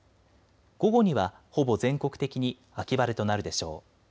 午後にはほぼ全国的に秋晴れとなるでしょう。